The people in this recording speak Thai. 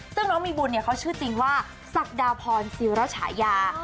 ซึ่งน้องมีบุญเนี่ยเขาชื่อจริงว่าศักดาพรศิวรัชฉายา